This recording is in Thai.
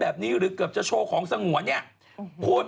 เพราะวันนี้หล่อนแต่งกันได้ยังเป็นสวย